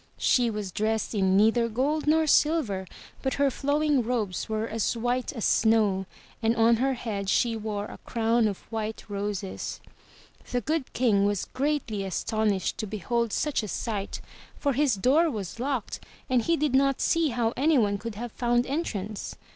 She was dressed in neither gold nor silver, but her flowing robes were as white as snow, and on her head she wore a crown of white roses. The Good King was greatly astonished to behold such a sight, for his door was locked and he did not see how anyone could have found entrance.